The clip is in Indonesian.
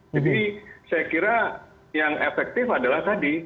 jadi saya kira yang efektif adalah tadi